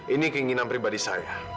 ini keinginan pribadi saya